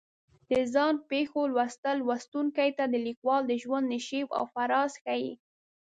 د ځان پېښو لوستل لوستونکي ته د لیکوال د ژوند نشیب و فراز ښیي.